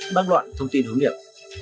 bác loạn thông tin hướng nghiệp